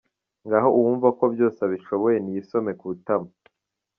Ngaho uwumva ko we byose abishoboye niyisome ku itama.